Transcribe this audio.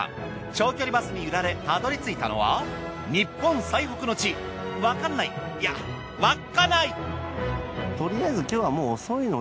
長距離バスに揺られたどり着いたのは日本最北の知わかんないいや稚内。